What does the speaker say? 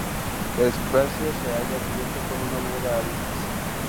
El espacio se halla cubierto con una bóveda de aristas.